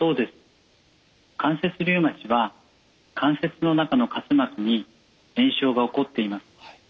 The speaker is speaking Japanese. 関節リウマチは関節の中の滑膜に炎症が起こっています。